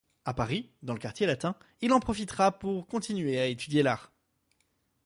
À Paris, dans le quartier latin, il en profitera pour continuer à étudier l'art.